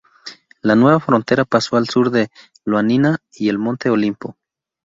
La nueva frontera pasó al sur de Ioánina y el monte Olimpo.